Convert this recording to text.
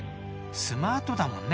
スマートだもんね